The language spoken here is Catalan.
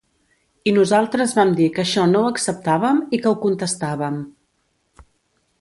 I nosaltres vam dir que això no ho acceptàvem i que ho contestàvem.